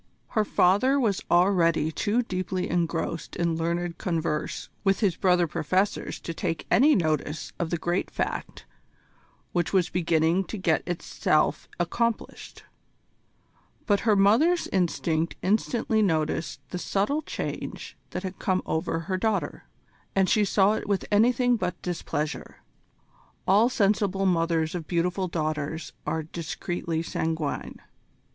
Her father was already too deeply engrossed in learned converse with his brother professors to take any notice of the great fact which was beginning to get itself accomplished; but her mother's instinct instantly noticed the subtle change that had come over her daughter, and she saw it with anything but displeasure. All sensible mothers of beautiful daughters are discreetly sanguine.